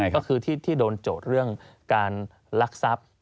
ก็คือที่โดนโจทย์เรื่องการลักทรัพย์